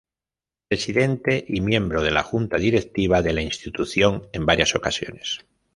Presidente y miembro de la junta directiva de la institución en varias ocasiones.